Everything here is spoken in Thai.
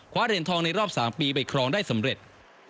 เหรียญทองในรอบ๓ปีไปครองได้สำเร็จ